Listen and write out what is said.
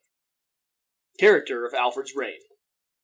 CHARACTER OF ALFRED'S REIGN.